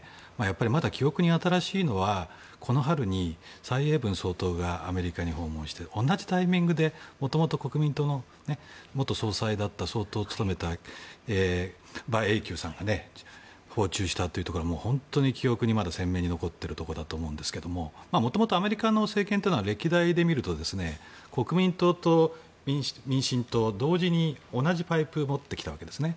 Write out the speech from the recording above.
まだ記憶に新しいのはこの春に蔡英文総統がアメリカを訪問して同じタイミングでもともと国民党の総統を務めた馬英九さんが訪中したということが本当にまだ記憶に鮮明に残っていますがもともとアメリカの政権は歴代で見ると国民党と民進党は同時に同じパイプを持ってきたんですね。